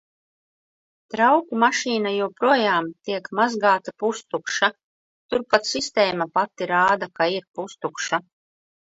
Trauku mašīna joprojām tiek mazgāta pustukša, tur pat sistēma pati rāda, ka ir pustukša.